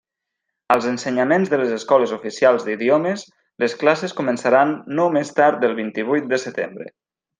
Als ensenyaments de les escoles oficials d'idiomes les classes començaran no més tard del vint-i-vuit de setembre.